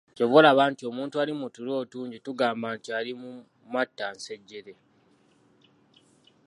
Ky'ova olaba nti omuntu ali mu tulo otungi tugamba nti ali mu "matta nsejjere"